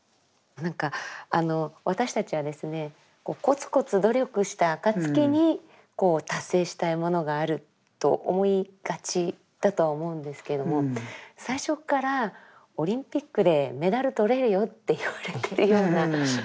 何かあの私たちはですねコツコツ努力した暁に達成したいものがあると思いがちだとは思うんですけども最初からオリンピックでメダル取れるよって言われてるような。